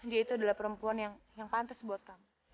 dia itu adalah perempuan yang pantas buat kamu